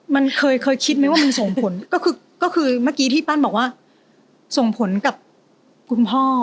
มันเคยเคยคิดไหมว่ามันส่งผลก็คือก็คือเมื่อกี้ที่ปั้นบอกว่าส่งผลกับคุณพ่อ